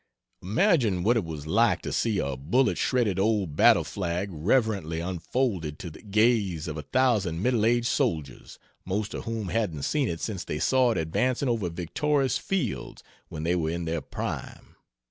"Imagine what it was like to see a bullet shredded old battle flag reverently unfolded to the gaze of a thousand middle aged soldiers, most of whom hadn't seen it since they saw it advancing over victorious fields, when they were in their prime.